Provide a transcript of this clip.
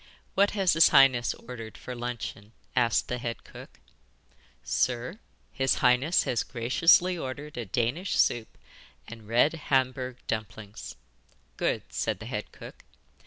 'What has his highness ordered for luncheon?' asked the head cook. 'Sir, his highness has graciously ordered a Danish soup and red Hamburg dumplings.' 'Good,' said the head cook.